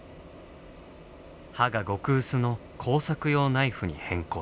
刃が極薄の工作用ナイフに変更。